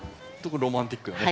ロマンティックなね